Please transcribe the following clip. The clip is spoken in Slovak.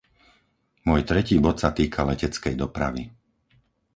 Môj tretí bod sa týka leteckej dopravy.